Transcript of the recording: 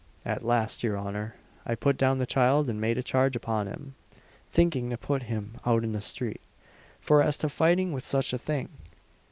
At last, your honour, I put down the child, and made a charge upon him, thinking to put him out in the street for as to fighting with such a thing!